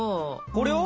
これを？